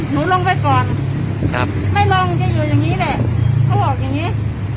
หนูลงไปก่อนครับไม่ลงจะอยู่อย่างงี้แหละเขาบอกอย่างงี้